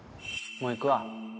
もう行くわ。